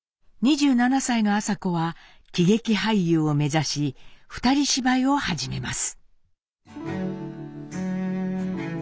２７歳の麻子は喜劇俳優を目指し二人芝居を始めます。